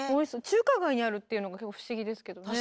中華街にあるっていうのが不思議ですけどね。